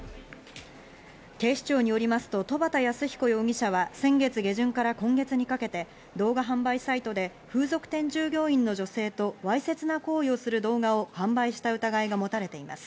警視庁によりますと戸畑康彦容疑者は先月下旬から今月にかけて動画販売サイトで風俗店従業員の女性とわいせつな行為をする動画を販売した疑いが持たれています。